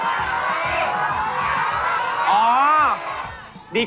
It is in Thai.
ต้องทำเป็นสามกษัตริย์นะ